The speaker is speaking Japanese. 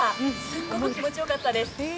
すっごく気持ちよかったです。